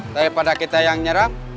daripada kita yang nyeram